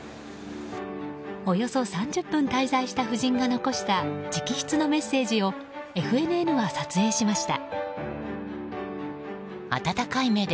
およそ３０分滞在した夫人が残した直筆のメッセージをＦＮＮが撮影しました。